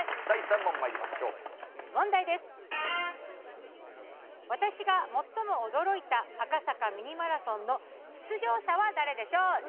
第３問まいりましょう私が最も驚いた赤坂ミニマラソンの出場者は誰でしょう？